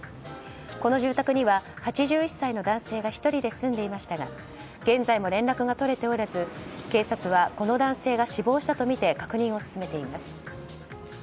この住宅には８１歳の男性が１人で住んでいましたが現在も連絡が取れておらず警察はこの男性が死亡したとみて確認を進めています。